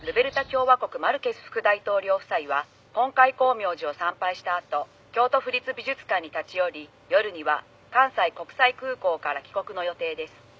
共和国マルケス副大統領夫妻は金戒光明寺を参拝したあと京都府立美術館に立ち寄り夜には関西国際空港から帰国の予定です」